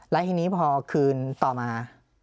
แล้วทีนี้พอคืนต่อมา